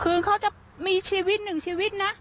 คือเขาจะมีชีวิตหนึ่งชีวิตนะ